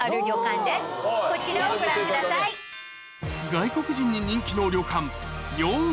外国人に人気の旅館